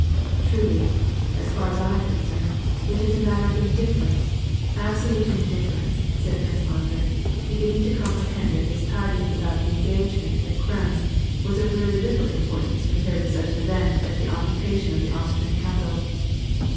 " Truly, as far as 1 am concerned, it is a matter of indiifer ence, absolute indifference," said Prince Andrei, beginning to comprehend that his tidings about the engagement at Rrems was of really little importance compared with such an event as the occupation of the Austrian capital.